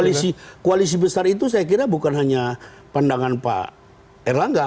koalisi besar itu saya kira bukan hanya pandangan pak erlangga